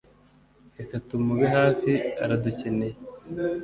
reka tumube hafi aradukeneye